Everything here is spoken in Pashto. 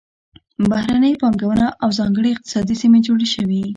بهرنۍ پانګونه او ځانګړې اقتصادي سیمې جوړې شوې.